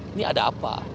ini ada apa